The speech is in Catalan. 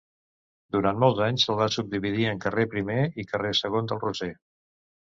Durant molts anys se'l va subdividir en carrer Primer i carrer Segon del Roser.